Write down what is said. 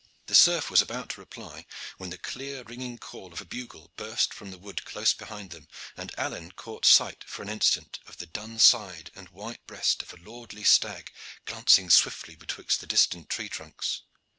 The serf was about to reply, when the clear ringing call of a bugle burst from the wood close behind them, and Alleyne caught sight for an instant of the dun side and white breast of a lordly stag glancing swiftly betwixt the distant tree trunks.